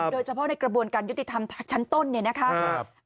โดยเฉพาะในกระบวนการยุติธรรมชั้นต้นเนี่ยนะคะ